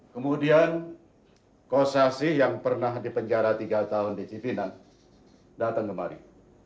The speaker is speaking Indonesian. kemudian kosasi yang pernah dipenjara tiga tahun di cipinang datang kemari